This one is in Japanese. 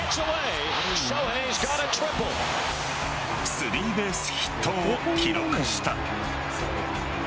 スリーベースヒットを記録した。